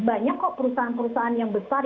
banyak kok perusahaan perusahaan yang besar